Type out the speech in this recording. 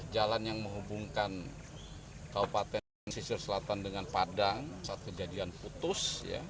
jalan yang menghubungkan kabupaten pesisir selatan dengan padang saat kejadian putus